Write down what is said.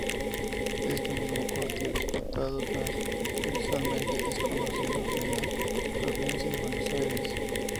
Este mismo corte, cortado transversalmente, es conocido en la provincia de Buenos Aires.